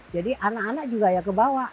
jadi anak anak juga ya kebawa